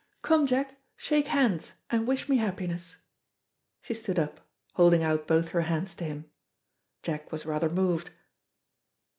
Come, Jack, shake hands and wish me happiness." She stood up, holding out both her hands to him. Jack was rather moved.